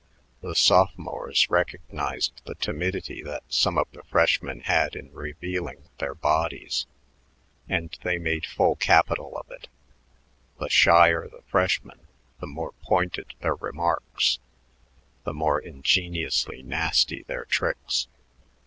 The sophomores recognized the timidity that some of the freshmen had in revealing their bodies, and they made full capital of it. The shyer the freshman, the more pointed their remarks, the more ingeniously nasty their tricks.